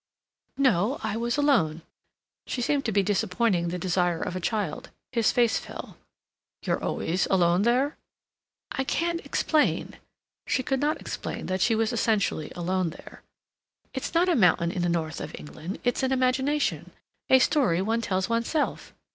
"No. I was alone." She seemed to be disappointing the desire of a child. His face fell. "You're always alone there?" "I can't explain." She could not explain that she was essentially alone there. "It's not a mountain in the North of England. It's an imagination—a story one tells oneself.